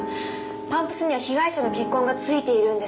パンプスには被害者の血痕が付いているんです。